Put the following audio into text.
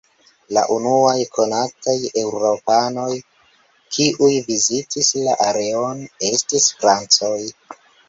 La unuaj konataj eŭropanoj kiuj vizitis la areon estis francoj.